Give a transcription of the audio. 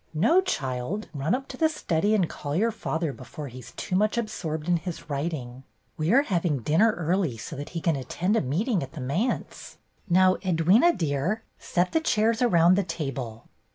"No, child. Run up to the study and call your father before he 's too much absorbed in his writing. We are having dinner early, so that he can attend a meeting at the manse. Now, Edwyna, dear, set the chairs around the table."